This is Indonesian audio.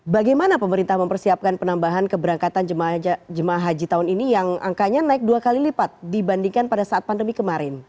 bagaimana pemerintah mempersiapkan penambahan keberangkatan jemaah haji tahun ini yang angkanya naik dua kali lipat dibandingkan pada saat pandemi kemarin